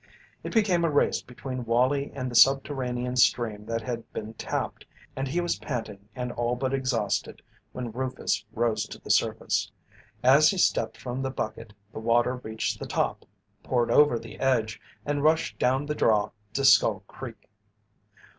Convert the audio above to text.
It became a race between Wallie and the subterranean stream that had been tapped, and he was panting and all but exhausted when Rufus rose to the surface. As he stepped from the bucket the water reached the top, poured over the edge, and rushed down the "draw" to Skull Creek.